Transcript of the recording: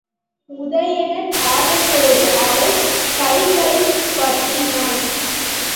உதயணன் ஆர்வத்தோடு அவள் கைகளைப் பற்றினான்.